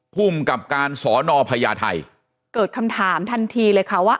ภูมิกับการสอนอพญาไทยเกิดคำถามทันทีเลยค่ะว่า